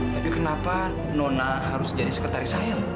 tapi kenapa nona harus jadi sekretaris saya